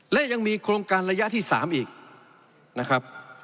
จะมีโครงการระยะ๓อีกนะครับ